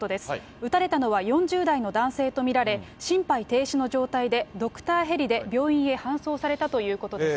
撃たれたのは４０代の男性と見られ、心肺停止の状態で、ドクターヘリで病院へ搬送されたということです。